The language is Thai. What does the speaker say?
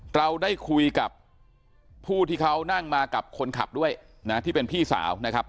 เราได้คุยกับผู้ที่เขานั่งมากับคนขับด้วยนะที่เป็นพี่สาวนะครับ